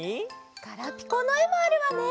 ガラピコのえもあるわね。